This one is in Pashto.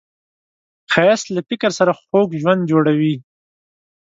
ښایست له فکر سره خوږ ژوند جوړوي